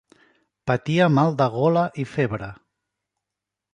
Patia mal de gola i febre.